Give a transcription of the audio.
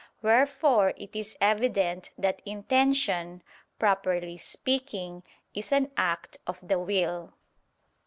Wherefore it is evident that intention, properly speaking, is an act of the will.